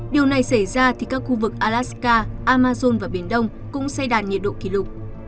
điều này xảy ra thì các khu vực alaska amazon và biển đông cũng sẽ đạt nhiệt độ kỷ lục